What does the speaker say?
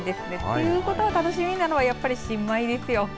ということは楽しみなのはやっぱり新米ですよ。